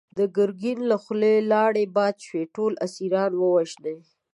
د ګرګين له خولې لاړې باد شوې! ټول اسيران ووژنی!